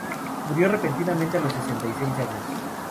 Murió repentinamente a los sesenta y seis años.